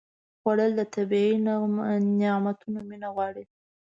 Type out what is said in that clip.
خوړل د طبیعي نعمتونو مینه غواړي